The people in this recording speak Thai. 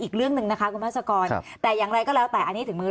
อีกเรื่องหนึ่งนะคะคุณภาษากรแต่อย่างไรก็แล้วแต่อันนี้ถึงมือ